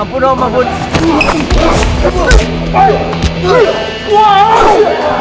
ampun om ampun